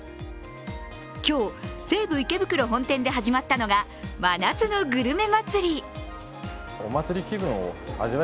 今日、西武池袋本店で始まったのが真夏のグルメ祭り。